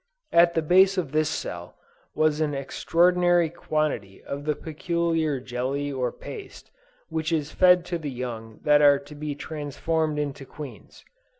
At the base of this cell, was an extraordinary quantity of the peculiar jelly or paste, which is fed to the young that are to be transformed into queens.